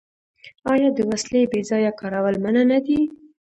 آیا د وسلې بې ځایه کارول منع نه دي؟